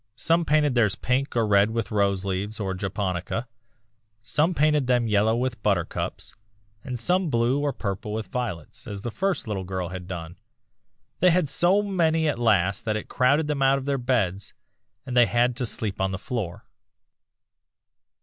Some painted theirs pink or red with roseleaves or japonica, some painted them yellow with buttercups, and some blue or purple with violets, as the first little girl had done. They had so many at last that it crowded them out of their bed, and they had to sleep on the floor.